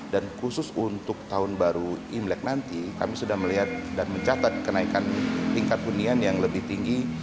dan khusus untuk tahun baru imlek nanti kami sudah melihat dan mencatat kenaikan tingkat hunian yang lebih tinggi